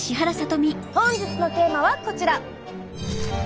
本日のテーマはこちら。